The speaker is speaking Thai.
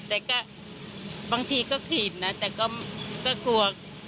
แต่ก็บางทีก็ผิดนะแต่ก็กลัว